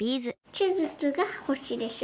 手術が星でしょ。